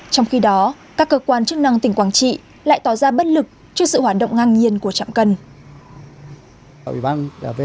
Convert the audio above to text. trong khi đó các cơ quan chức năng tỉnh quảng trị lại tỏ ra bất lực trước sự hoạt động ngang nhiên của trạm cân